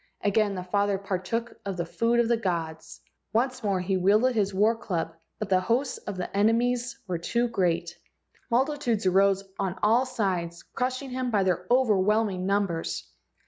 Again the father partook of the food of the gods. Once more he wielded his war club, but the hosts of 20 LEGENDS OF GHOSTS enemies were too great. Multitudes arose on all sides, crushing him by their overwhelming numbers.